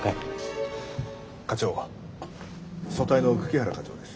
課長組対の久木原課長です。